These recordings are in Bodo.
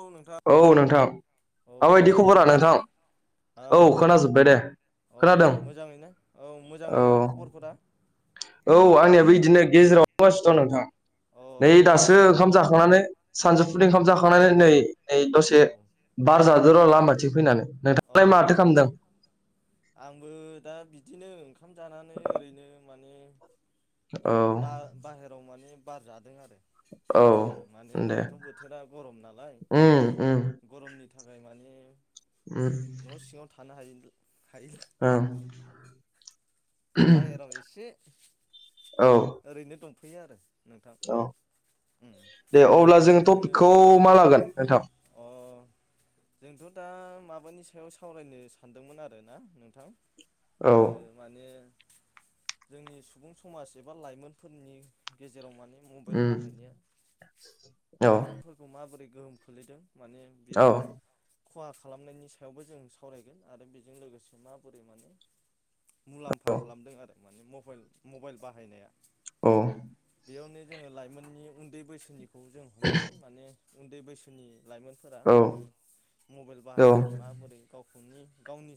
औ नोंथां औ नोंथां औ माबायदि खबरा खोनादोंना नोंथां? औ खोनाजोब्बाय दे। औ खोनादों मोजाङैनो औ औ मोजाङैना खबरफोरा? औ आंनिया बे बिदिनो गेजेरावासि दं अ नोंथाङा नै दासो दासा ओंखाम जाखांनानै सानजौफु नि ओंखाम जाखांनानै नै नै दसे औ बारजा र' लामाथिं फैनानै औ नोंथांआलाय माथो खालामदों? आंबो दा बिदिनो ओंखाम जानानै ओरैनो माने औ बा बाहेराव माने बार जादों आरो औ माने दे दाथ' बोथोरा गरम नालाय उम उम गरमनि नि थाखाय माने न' सिङाव थानो हादिआ। ओम बाहेराव एसे ओं औ ओरैनो दंफैयो आरो नोंथां औ उम दे दा अब्ला जों जोङो टपिकखौ मा लागोन नोंथां अ जोंथ' दा माबानि सायाव सावरायनो सानदोंमोन आरो ना नोंथां औ ओ माने जोंनि सुबुं समाज एबा लाइमोनफोरनि गेजेराव माने मबाइल उम बाहायनाया औ लाइमोनफोरखौ माबोरै गोहोम खख्लैदों माने औ बेयाव खहा खालामनायनि सायावबो जों सावरायगोन आरो बेजों लोगोसे माबोरै माने मुलामफा औ खालामदों आरो माने मबल मबाइल बाहायनाया अ बेयावनो जोङो लाइमोननि उन्दै बैसोनिखौ जों हमनांगोन माने उन्दै बैसोनि लाइमोनफोरा औ माने मबाइल औ बाहायनानै माबोरै गावखौनि गावनि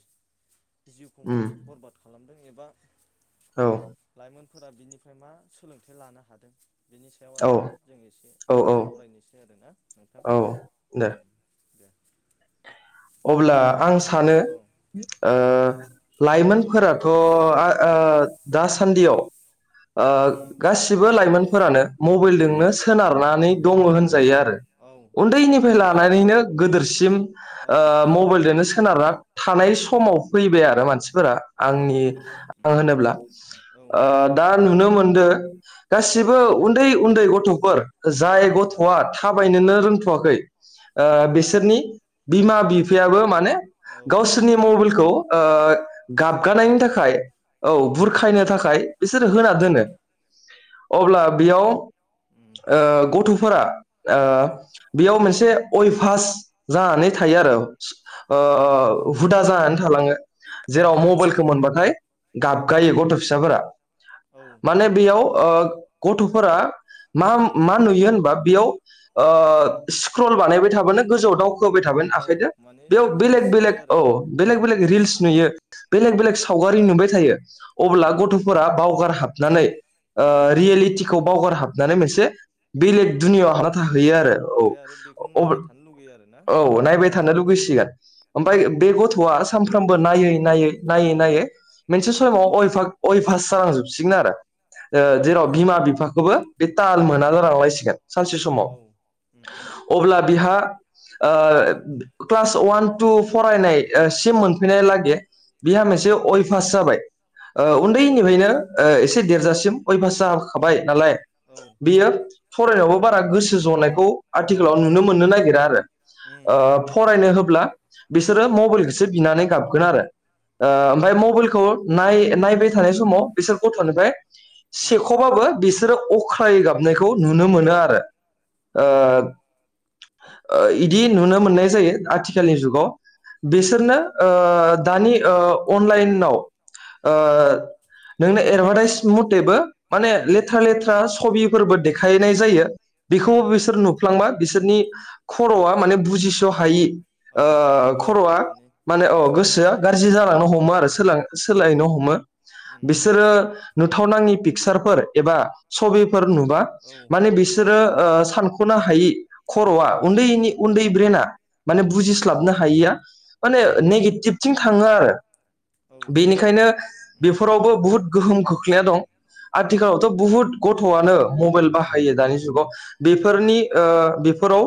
जिउखौ माने उम बरबाद खालामदों एबा औ लाइमोन फोरा बिनिफ्राय मा सोलोंथाइ लानो हादों बिनि सायाव औ आरोना जों एसे औ औ सावरायनोसै आरोना नोंथां नो उम दे अब्ला आं सानो औ औ ओह लाइमोनफोरा थ'आओ दासान्दियाव ओ उम गासिबो लाइमोन फोरानो औ मबाइलजोंनो सोनारनानै दङ होनजा जायो आरो औ औ नंगौ उन्दैनिफ्राय लानानैनो गोदोरसिम औ ओ मबाइलजोंनो सोनारना थानाय समाव फैबाय आरो मानसि फोरा औ आंनि औ आं होनोब्ला औ ओ नंगौ दा नुनो मोनदो गासिबो उन्दै उन्दै गथ'फोर जाय औ गथ'आ थाबायनोनो रोंथ'वाखै ओ उम बिसोरनि बिमा बिफायाबो माने औ गावसोरनि मबाइलखौ ओ गथ' गाबगानायनि गथायनो थाखाय औ उम बुरखायनो थाखाय बिसोर होना उम दोनो अब्ला बेयाव ओ उम गथ'फोरा ओ औ बेयाव मोनसे अयभास जानानै थायो आरो औ औ ओह नंगौ हुदा जानानै थालाङो जेराव उम मबाइलखौ मोनबाथाय गाबगायो गथ' फिसाफोरा औ माने बेयाव ओ गथ'फोरा मा उम मा नुयो होनबा बेयाव ओह स्क्रल बानायबाय थाबानो गोजौआव दावखोबाय था औ आखायदो माने बेयाव रिल्स बेलेग बेलेग नुयो औ आरोना बेलेक बेलेक उम रिल्स नुयो बेलेक उम बेलेग सावगारि नुबाय था थायो अब्ला उम गथ'फोरा बावगार हाबनानै ओ औ रियेलिटिखौ माने बावगार हाबनानै मोनसे बेलेग नायबाय दुनिआव हाबना औ थाहैयो आरो औ ओमफ्राय बेखौनो नायबाय थानो लुुबैयो आरो ना औ नायबाय थानो लुुबैसिगोन ओमफ्राय बे गथ'आ सानफ्रामबो नायै नायै नायै नायै मोनसे औ समाव अय पास जालांजोबसिगोन आरो उम जेराव बिमा बिफाखौबो बे ताल मोना उम जालांलायसिगोन सानसे समाव औ उम उम अब्ला बिहा क्लास वान टु फरायनाय सिम मोनफैनाय लागै बिहा मोनसे अय फास जाबाय। उम उन्दैनिफ्रायनो एसे देरजासिम अयभास जाखाबाय नालाय। औ उम बियो फरायनायावबो बारा गोसो जनायखौ आथिखालाव नुनो मोननो नागिरा आरो। [inaudible] उम फरायनो होब्ला बिसोरो मबाइलखौसो बिनानै गाबगोन आरो औ ओमफ्राय मबाइलखौ नाय नायबाय थानाय समाव बिसोर गथ'निफ्राय उम सेख'बाबो बिसोरो अख्राय गाबनायखौ नुनो मोनो आरो। उम इदि नुनो मोननाय जायो आथिखालनि जुगाव। बिसोरनो दानि अनलाइनाव नोंनो एडभार्टाइस मथेबो माने। लेथ्रा औ लेथ्रा सबिफोरबो देखायनाय जायो बेखौ उम बिसोर नुफ्लांबा‌ बिसोरनि खर'आ माने बुजिस' हायि। औ गोसोआ खर'आ उम माने अ गोसोआ सोलायलाङो गाज्रि जालांनो हमो आरो ओं सोलायनो हमो। उम बिसोरो नुथाव नाङि। पिकसारफोर एबा सबिफोर नुबा औ माने बिसोरो। सानख'नो हायि खर'आ उन्दैनि उन्दै ब्रेना। माने उम बुजिस्लाबनो हायिया माने औ नेगेटिभथिं थाङो आरो। औ नंगौ बेनिखायनो उम बेफोरावबो बहुद गोहोम खोख्लैया दं। औ आथिखालावथ' बुहुद गथ'आनो मबाइल उम बाहायो दानि जुगाव उम बेफोरनि ओ बेफोराव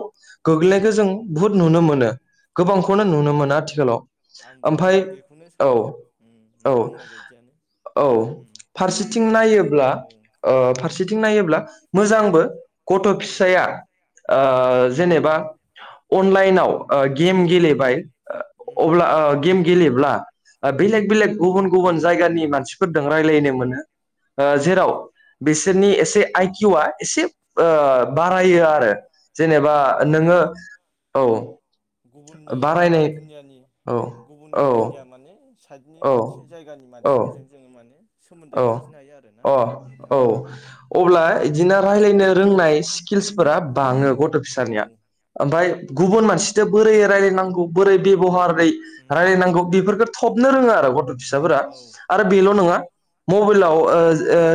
गोग्लैनायखौ जों बुहुत नुनो मोनो। औ औ गोबांखौनो नुनो मोनो आथिखालाव आंबो ओमफ्राय बेखौनो औ सानो उम नों औ। [inaudible] औ उम माने फारसेथिं नायोब्ला औ ओ फारसेथि नायोब्ला मोजांबो गथ' औ फिसाया जेनेबा। अनलाइनाव गेम गेलेबाय उम अब्ला गेम गेलेब्ला बेलेग बेलेग गुबुन गुबुन जायगानि मानसिफोरजों रायज्लायनो मोनो। औ जेराव बिसोरनि एसे आइकिउआ एसे बारायो उम आरो जेनेबा उम माने नोङो औ। गुबुननि माने बारायनाय दुनियानि औ ओ गुबुननि औ दुनिया माने। साइडनि मानसि औ जायगानि औ मानसिफोरजों जोङो माने। सोमोन्दो औ लाखिनो हायो आरोना अ नोंथां औ उम अब्ला बिदिनो राय्लायनो उम रोंनाय। स्किल्सफोरा बाङो गथ' औ फिसानिया उम ओमफ्राय गुबुन मानसि बोरै रायलायनांगौ बोरै बेब'हारै उम रायलायनांगौ बेफोरफोरखौ थबनो रोङो आरो गथ' फिसा। फिसाफोरा औ आरो उम बेल' नङा मबाइलाव उम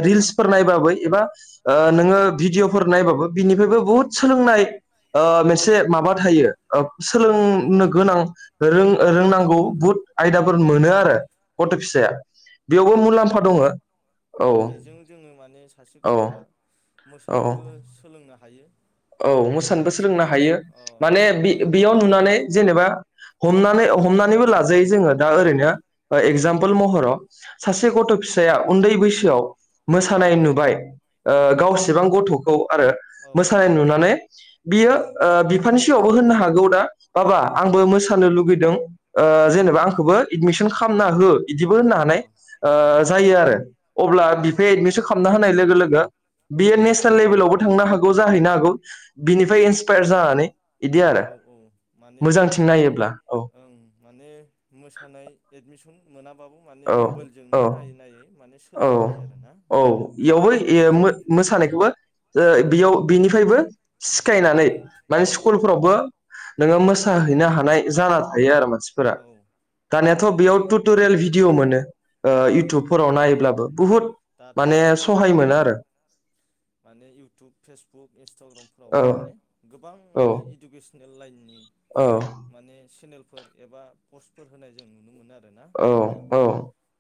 रिल्सफोर नायबाबो एबा ओ नोङो उम भिडिअफोर नायबाबो बिनिफ्रायबो बुहुद सोलोंनाय। ओ औ मोनसे माबा थायो उम सोलोंनो गोनां। रों-रोंनांगौ आयदाफोर बुहुथ आयदाफोर मोनो आरो उम गथ' फिसाया उम बेयावबो मुलाम्फा माने दङ औ बेजों जोङो माने सासे औ गथ'आ औ मोसानोबो सोलोंनानै औ मोसानोबो सोलोंनो हायो अ माने बे आरो बेयाव उम नुनानै जेनेबा उम हमनानै हमनानैबो लाजायो जोङो दा ओरैनो एगजामपोल महराव। सासे गथ' फिसाया उन्दै बैसोआव उम मोसानाय नुबाय ओ उम गावसेबां गथ'खौ आरो औ मोसानाय नुनानै बियो उम बिफानि सिगांयावबो होननो हागौ दा बाबा उम आंबो मोसानो लुगैदों। औ जेनेबा आंखौबो एदमिसन खालामना हो। बिदिबो होननो अ हानाय ओ उम जायो आरो अब्ला नङाबाबो बिफाया माने एदमिसन खालामना होनाय औ लोगो लोगो। बियो उम नेसनेल लेभेलावबो थांनो हागौ जाहैनो हागौ। उम बिनिफ्राय इन्सपायार जानानै इदि आरो औ औ माने मोजांथिं नायोब्ला औ। ओं माने मोसानाय एडमिसन मोनाबाबो माने औ औ मबाइलजोंनो नायै-नायै माने औ सोलोंनो हायो आरोना औ नोंथां इयावबो इय उम मो मोसानायखौबो ओ उम बियाव बेनिफ्रायबो सिखायनानै जों माने औ स्कुलफोरावबो नोङो उम मोसाहैनो हानाय जाना थायो आरो माने। मानसिफोरा औ दानियाथ नंगौ बेयाव नोंथां टुटुरियेल भिदिअ मोनो ओ औ इउटुबफोराव नाय माने बुहुत दाथ' माने जोङो सहाय मोनो ओं आरो। माने इउटुब फेसबुक इन्सटाग्रामफोरावबो औ माने गोबां माने इडुकेसनेल लाइननि औ माने चेनेलफोर एबा पस्टफोर होनाय जों नुनो मोनो आरो। आरोना औ नोंथां औ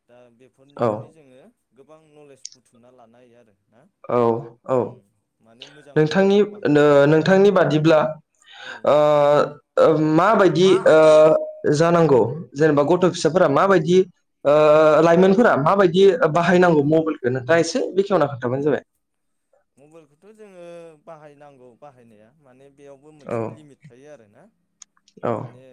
दा बेफोरनिफ्रायनो औ जोङो गोबां नलेज बुथुमना लानो हायो आरो। ना औ औ उम माने मोजां नोंथांनि खामानियाव बाहायोबा नों नोंथांनि बादिब्ला औ ओ माबायदि ओ जानांगौ जेनेबा गथ फिसाफोरा माबायदि ओ लाइमोनफोरा माबायदि बाहायनांगौ औ मबाइलखौनो दा एसे बेखेवना खोन्थाबानो जाबाय मबाइलखौथ जोङो बाहायनांगौ बाहायनाया माने बेयावबो औ मोनसे लिमिट थायो आर ना। औ माने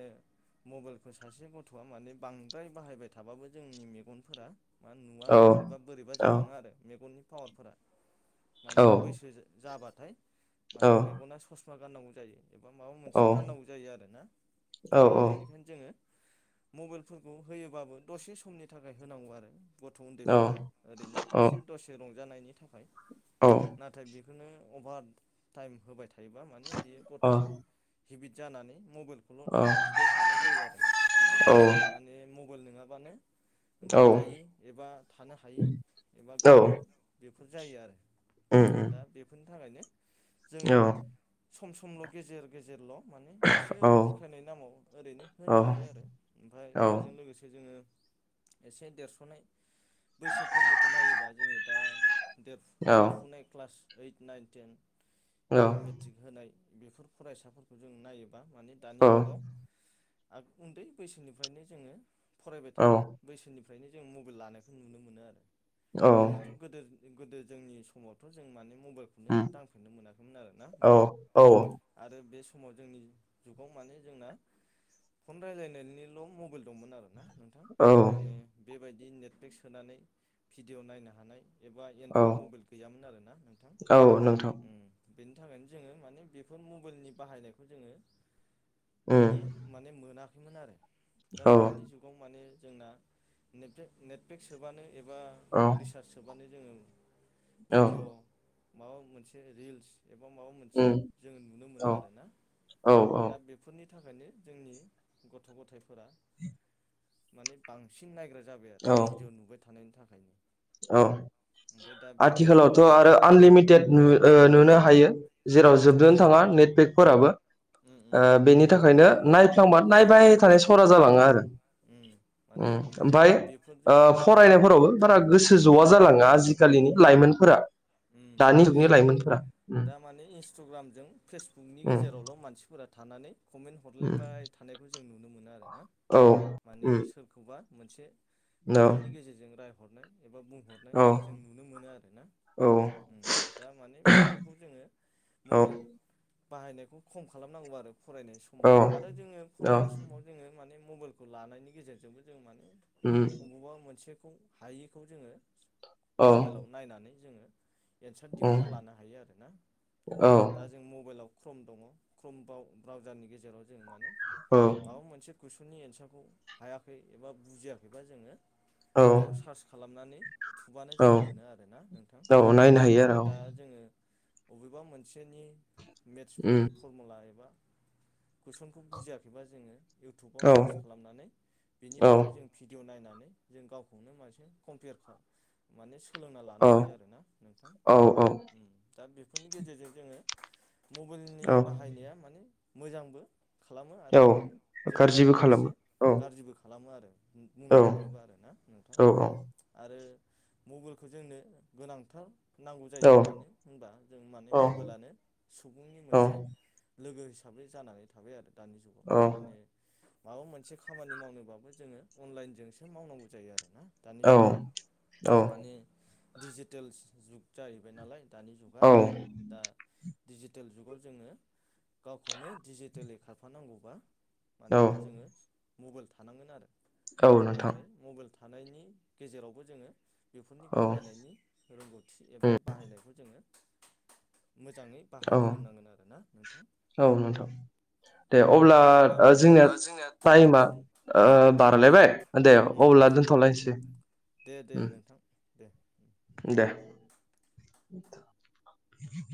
मबाइलफोर सासे गथआ माने बांद्राय बाहायबाय थाबाबो जोंनि मेगनफोरा मा नुवा औ एबा बोरैबा औ जालाङो आरो मेगननि पावारफोरा। माने औ बैसो जाबाथाय औ माने मेगना ससमा गाननांगौ जायो। एबा माबा मोनसे गाननांगौ जायो आरो ना औ दा बेनिखायनो जोङो मबाइलफोरखौ होयोबाबो दसे समनि थाखाय होनांगौ आरो। गथ औ उन्दैफोरनो ओरैनो औ एसे दसे रंजानायनि थाखाय नाथाय बे बेखौनो अभार टाइम होबाय थायोबा माने बेयो गथआ हेबिट जानानै मबाइलखौल औ बिबाय थानाय जायो आरो माने मबाइल नङाबानो औ ओंखाम जायि एबा थानो हायि एबा गाबनाय बेफोर जायो आरो उम उम दा बेफोरनि थाखायनो जोङो औ सम समल' गेजेर- गेजेरल' माने एसे औ बुरखायनाय नामाव ओरैनो औ होनो हायो आरो ओमफफ्राय औ बेजों लोगोसे जोङो एसे देरसनाय बैसोफोरनिखौ नायोबा जोङो दा औ देरफुनाय क्लास ओइट नाइन टेन औ उम औ एबा मेट्रिक होनाय बेफोर फरायसाफोरखौ जों नायोबा माने दानि जुगाव उन्दै बैसोनिफ्रायनो जोङो फरायबाय थानाय बैसोनिफ्राय ओफ्रायनो जों मबाइल लानायखौ नुनो मोनो आरो। जोंथ गोद गोदो जोंनि समावथ जों माने मबाइलखौनो दांफेरनो मोनाखैमोन आरोना नोंथां आरो बे समाव जोंनि जुगाव माने जोंना फन रायज्लायनायनिल मबाइल दंमोन आरोना नोंथां औ माने बेबायदि नेटफ्लिक्स होनानै भिडिअ नायनो हानाय एबा औ बिदि मबाइल गैयामोन आर ना नोंथां। औ नोंथां बेनि थाखायनो जोङो मानिे बेफोर मबाइलनि बाहायनायखौ जोङो उम इदि माने मोनाखैमोन आरो दा औ दानि जुगाव माने जोंना ने नेटफ्लिकस सोबानो एबा औ रिसार्ज सोबानो जोङो औ भिडिअ माबा मोनसे रिल्स एबा माबा मोनसे उम जोङो नुनो औ मोनो आरो ना औ दा बेफोरनि नि थाखायनो जोंनि गथ' गथायफोरा माने बांसिन नायग्रा जाबाय आरो औ भिडिअ नुबाय थानायनि थाखाय औ ओमफ्राय दा भिडिअ नुबाय आथिखालावथ थानाय आरो औ आनलिमिटेड नु ओ नुनो औ हायो जेराव औ जोबदोनो थाङा नेटफेकफोर [unintelligible] ओ उम उम बेनि थाखायनो नायफ्लांबा नायबाय सरा औ जालाङो औ आरो उम माने ओम बेफोरजों उम ओमफ्र ज'आ औ जालाङो औ आजिखालिनि उम लाइमोनफोरा दानि माने जुगनि लाइमोनफोरा उम दा माने इन्सटाग्रामजों फेसबुकनि उम गेजेरावल' मानसिफोर फोरा थानानै कमेन्ट उम हरलायबाय थानायखौ जों नुनो मोनो आरो ना औ माने उम सोरखौबा मोनसे औ कमेन्टनि गेजेरजों राय एबा बुंहरनाय औ जों नुनो मोनो आरो ना औ दा माने बेफोरखौ जोङो औ मबाइल बाहायनायखौ खम खालामनांगौ आरो फरायनाय समाव आरो औ जोङो औ फरायनाय समाव जोङो माने मबाइलखौ लानायनि गेजेरजोंबो जों माने उम अबावबा मोनसे खौ हायिखौ जोङो औ मबाइलाव नायनानै जोङो एन्सार उम दिहुनन्ना लानो हायो आर ना औ दा जों मबाइलाव क्रम दङ क्रमबाव ब्रउजारनि गेजेराव जों माने औ माबा मोनसे कुइसननि एन्सारखौ हायाखै एबा बुजियाखैबा जोंङो औ बेयाव सार्च खालामनानै थुबानो औ जों मोनो आरोना नोंथां औ नायनो हायो आरो औ दा जोंङो बबेबा मोनसेनि उम मेथसफोरनि फरमुला एबा कुइसनखौ बुजियाखैबा जोंङो इउटुबाव औ सार्च खालामनानै बेनि औ बागै जों भिडिअ नायनानै नानै जों गावखौनो मोनसे कमपियार माने सोलोंना लानो औ हायो आरो ना नोंथां औ दा बेफोरनि गेजेरजों जोंङो मबाइलनि औ बाहायनाया माने मोजांबो खालामो आरो औ जोंङो जोंखौ गाज्रिबो माने एसे खालामो औ गाज्रिबो खालामो आरो औ बुंनो थाङोब्ला आरो ना नोंथां औ आरो मबाइलखौ जोंनो गोनांथार नांगौ औ जायो मानो होनबा जों माने मबाइलानो सुबुंनि औ मोनसे लोगो हिसाबै जानानै थाबाय आरो दानि जुगाव औ माने माबा मोनसे खामानि मावनोबाबो जोंङो अनलाइनजोंसो मावनांगौ जायो आरो ना दानि जुगाव माने डिजिटेल जुग जाहैबाय नालाय दानि जुगा दा दिडिजिटेल जुगाव जोंङो गावखौनो डिजिटेेललि खारफानांगौबा माने जोंङो मबाइल थानांगोन आरो औ नोंथां नाथाय मबाइल थानायनि गेजेरावबो जोंङो बेफोरनि औ बाहायनायनि रोंगौथि एबा उम बाहायनायखौ जोंङो मोजाङै औ बाहायनो रोंनांगोन आरो ना नोंथां औ दा जोंना जोंनि टाइमा औ बारलायबाय दे उम अब्ला दोनथ'लायनोसै दे दे उम नोंथां दे [unintelligible]